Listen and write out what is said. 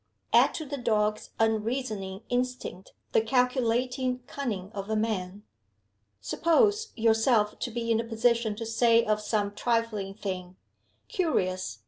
Add to the dog's unreasoning instinct the calculating cunning of a man; suppose yourself to be in a position to say of some trifling thing, "Curious!